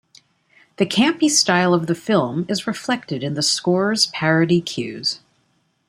The campy style of the film is reflected in the score's parody cues.